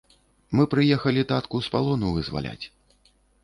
Мы прыехалі татку з палону вызваляць.